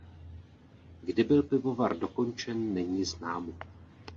Kdy byl pivovar dokončen není známo.